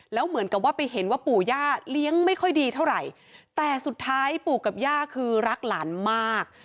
แล้วเหมือนกับว่าไปเห็นว่าปู่ย่าเลี้ยงไม่ค่อยดีเท่าไหร่แต่สุดท้ายปู่กับย่าคือรักหลานมาก